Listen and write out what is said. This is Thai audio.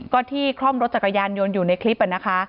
ก็ที่คล่อมรถจักรยานยนต์อยู่ในคลิปนะคะ